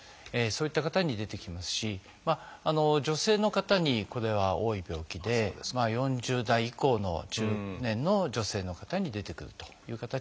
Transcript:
そういった方に出てきますし女性の方にこれは多い病気で４０代以降の中年の女性の方に出てくるという形になってきます。